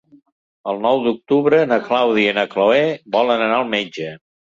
El nou d'octubre na Clàudia i na Cloè volen anar al metge.